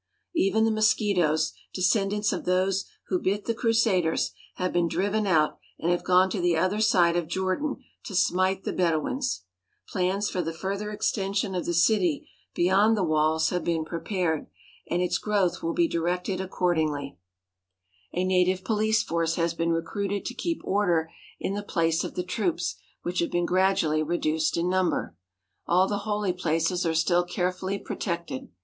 Even the mosquitoes, descendants of those who bit the Crusaders, have been driven out and have gone to the other side of Jordan to smite the Bedouins. Plans for the further extension of the city beyond the walls have been prepared, and its growth will be directed accordingly. 281 THE HOLY LAND AND SYRIA A native police force has been recruited to keep order in the place of the troops which have been gradually reduced in number. All the holy places are still carefully protected.